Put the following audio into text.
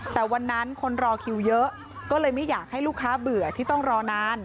แต่วันนั้นคนรอคิวเยอะก็เลยไม่อยากให้ลูกค้าเบื่อที่ต้องรอนาน